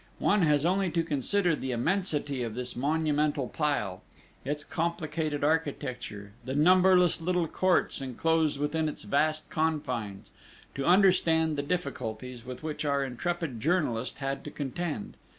One has only to consider the immensity of this monumental pile, its complicated architecture, the numberless little courts enclosed within its vast confines, to understand the difficulties with which our intrepid journalist had to contend.